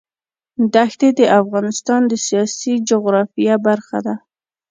دښتې د افغانستان د سیاسي جغرافیه برخه ده.